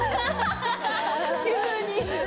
急に。